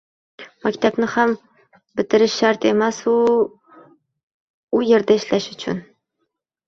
maktabni ham bitirish shart emas u yerda ishlash uchun.